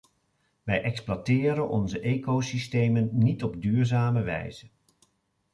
Wij exploiteren onze ecosystemen niet op duurzame wijze.